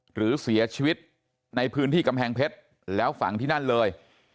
หรือเสียชีวิตในพื้นที่กำแพงเพชรแล้วฝังที่นั่นเลย